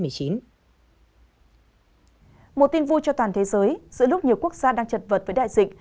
một tin vui cho toàn thế giới giữa lúc nhiều quốc gia đang chật vật với đại dịch